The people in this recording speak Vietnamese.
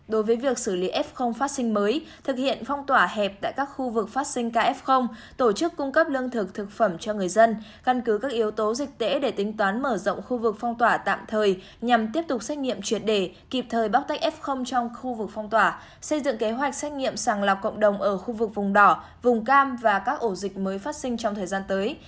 đối với việc xử lý f phát sinh mới thực hiện phong tỏa hẹp tại các khu vực phát sinh kf tổ chức cung cấp lương thực thực phẩm cho người dân căn cứ các yếu tố dịch tễ để tính toán mở rộng khu vực phong tỏa tạm thời nhằm tiếp tục xét nghiệm truyệt đề kịp thời bóc tách f trong khu vực phong tỏa xây dựng kế hoạch xét nghiệm sàng lọc cộng đồng ở khu vực vùng đỏ vùng cam và các ổ dịch mới phát sinh trong thời gian tới